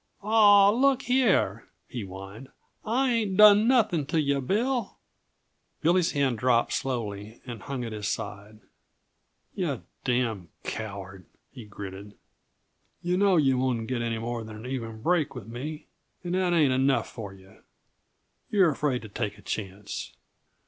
"Aw, look here!" he whined. "I ain't done nothing to yuh, Bill!" Billy's hand dropped slowly and hung at his side. "Yuh damned coward!" he gritted. "Yuh know yuh wouldn't get any more than an even break with me, and that ain't enough for yuh. You're afraid to take a chance.